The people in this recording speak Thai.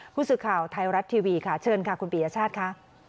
ผู้สื่อข่าวไทยรัฐทีวีค่ะเชิญค่ะคุณปียชาติค่ะ